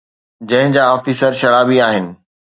جنهن جا آفيسر شرابي آهن